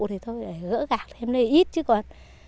thì thôi để gỡ gạc thêm lấy ít chứ còn